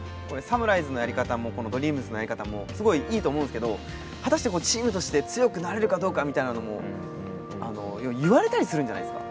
武士団のやり方もこのドリームスのやり方もすごいいいと思うんですけど果たしてこうチームとして強くなれるかどうかみたいなのも言われたりするんじゃないんですか？